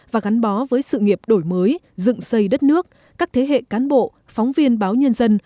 và gắn bó với sự nghiệp đổi mới dựng xây đất nước các thế hệ cán bộ phóng viên báo nhân dân